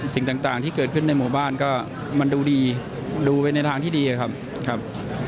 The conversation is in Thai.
สิ่งต่างที่เกิดขึ้นในหมู่บ้านก็มันดูดีดูไปในทางที่ดีครับ